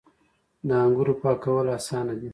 د انګورو پاکول اسانه دي.